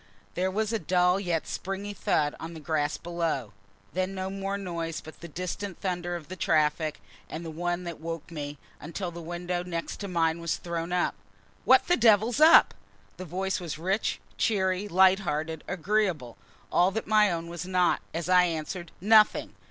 There was a dull yet springy thud on the grass below. Then no more noise but the distant thunder of the traffic, and the one that woke me, until the window next mine was thrown up. "What the devil's up?" The voice was rich, cheery, light hearted, agreeable; all that my own was not as I answered "Nothing!"